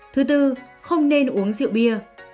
thứ tư không nên uống rượu bia